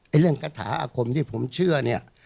เรื่องกระถาอาคมที่ผมเชื่อเนี่ย